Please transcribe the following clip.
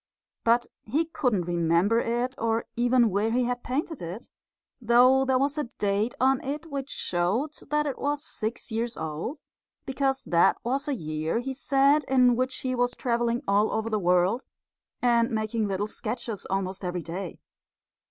But he couldn't remember it, or even where he had painted it, though there was a date on it which showed that it was six years old, because that was a year, he said, in which he was travelling all over the world and making little sketches almost every day.